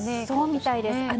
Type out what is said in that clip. そうみたいです。